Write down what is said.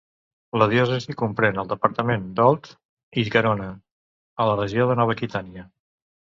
La diòcesi comprèn el departament d'Òlt i Garona, a la regió de Nova Aquitània.